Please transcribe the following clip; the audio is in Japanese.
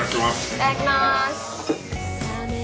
いただきます。